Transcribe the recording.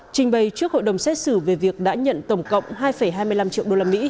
trình bày trước hội đồng xét xử về việc đã nhận tổng cộng hai hai mươi năm triệu usd